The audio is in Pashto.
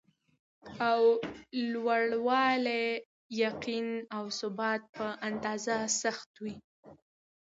د لوړوالي ،یقین او ثبات په اندازه سخته وي.